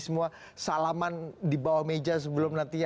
semua salaman di bawah meja sebelum nantinya